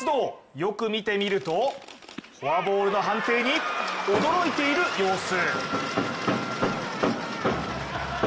よく見てみると、フォアボールの判定に驚いている様子。